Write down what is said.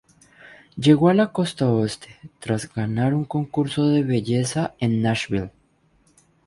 Llegó a la costa oeste tras ganar un concurso de belleza en Nashville.